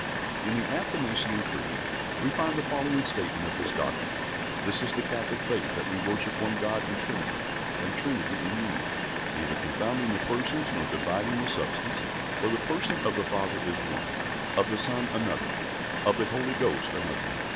In the Athanasian Creed we find the following statement of this doctrine: "This is the Catholic Faith, that we worship one God in Trinity, and Trinity in Unity. Neither confounding the Persons nor dividing the Substance. For the Person of the Father is one, of the Son another, of the Holy Ghost another.